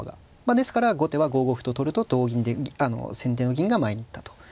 ですから後手は５五歩と取ると同銀で先手の銀が前に行ったということですね。